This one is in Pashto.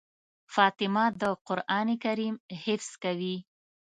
فاطمه د قرآن کريم حفظ کوي.